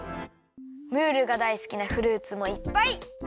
ムールがだいすきなフルーツもいっぱい！